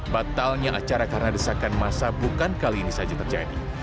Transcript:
batalnya acara karena desakan masa bukan kali ini saja terjadi